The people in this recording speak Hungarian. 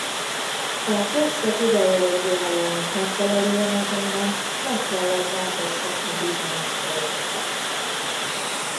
A korszak ideológiájának megfelelően azonban meg kellett változtatni bizonyos dolgokat.